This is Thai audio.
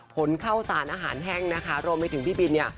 ผลเข้าสารอาหารแห้งนะคะรวมไปถึงพี่บินเนี่ย